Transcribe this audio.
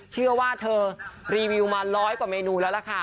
เชื่อว่าเธอรีวิวมาร้อยกว่าเมนูแล้วล่ะค่ะ